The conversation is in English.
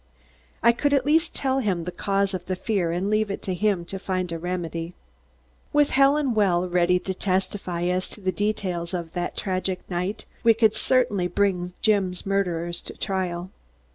I could at least tell him the cause of the fear and leave it to him to find a remedy. With Helen well, ready to testify as to the details of that tragic night, we would certainly bring Jim's murderers to trial.